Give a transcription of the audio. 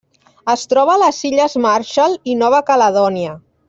Es troba a les Illes Marshall i Nova Caledònia.